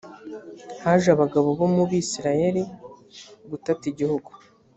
haje abagabo bo mu bisirayeli gutata igihugu